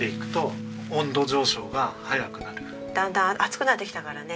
だんだん暑くなってきたからね。